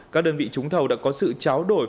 các đơn vị trúng thầu đã có sự cháo đổi